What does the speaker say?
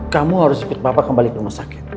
kamu harus ikut bapak kembali ke rumah sakit